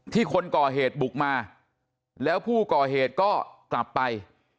คนก่อเหตุบุกมาแล้วผู้ก่อเหตุก็กลับไป